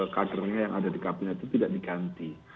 kadernya yang ada di kabinet itu tidak diganti